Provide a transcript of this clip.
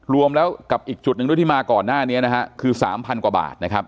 รวมแล้วกับอีกจุดหนึ่งด้วยที่มาก่อนหน้านี้นะฮะคือ๓๐๐กว่าบาทนะครับ